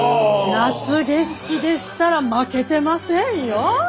夏景色でしたら負けてませんよ！